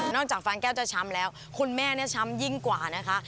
จากฟางแก้วจะช้ำแล้วคุณแม่เนี่ยช้ำยิ่งกว่านะคะ